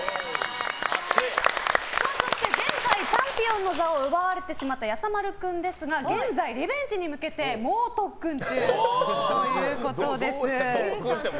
そして前回チャンピオンの座を奪われてしまったやさまる君ですが現在、リベンジに向けて猛特訓中ということです。